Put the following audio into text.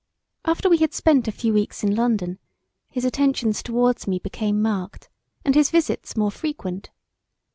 After we had spent a few weeks in London his attentions towards me became marked and his visits more frequent.